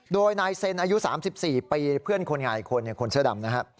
โดยนายเซ็นอายุ๓๔ปีเพื่อนคนงานอีกคนคนเสื้อดำนะครับ